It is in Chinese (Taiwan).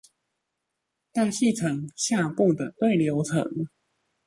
大氣層下部的對流層